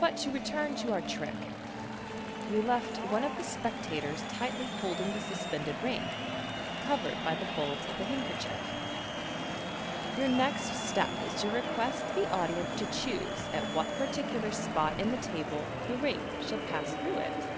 But to return to our trick : we left one of the spectators tightly holding the suspended ring, covered by the folds of the handkerchief. Your next step is to request the audience to choose at what particular spot in the table the ring shall nass through it.